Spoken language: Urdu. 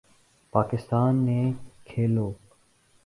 پاکستان نے کھیلو